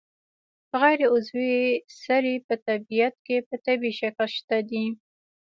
غیر عضوي سرې په طبیعت کې په طبیعي شکل شته دي.